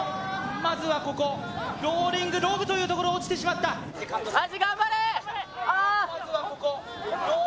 まずはここローリングログというところ落ちてしまったあー！